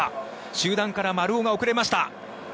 集団から丸尾が遅れました。